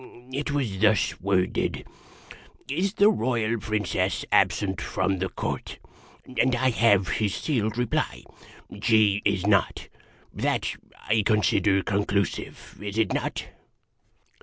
It was thus worded :' Is the Royal Princess absent from the Court ?' And I have his sealed reply: ' She is not.' That I consider conclusive. Is it not?"